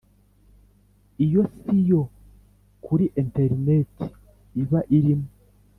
Iyo si yo kuri interineti iba irimo